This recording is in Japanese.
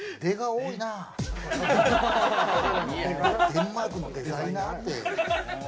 デンマークのデザイナーのいす。